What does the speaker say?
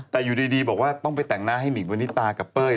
แต่อยู่ดีบอกว่าต้องไปแต่งหน้าให้หิงวันนี้ตากับเป้ย